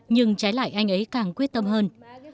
nhưng trái lại anh ấy càng quyết tâm hơn